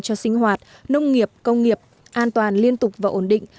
cho sinh hoạt nông nghiệp công nghiệp an toàn liên tục và ổn định